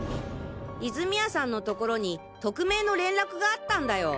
泉谷さんの所に匿名の連絡があったんだよ。